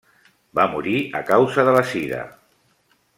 Va morir a causa de la sida.